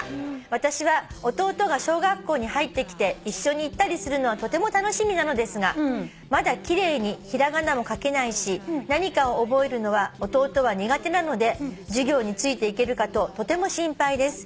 「私は弟が小学校に入ってきて一緒に行ったりするのはとても楽しみなのですがまだ奇麗に平仮名も書けないし何かを覚えるのは弟は苦手なので授業についていけるかととても心配です」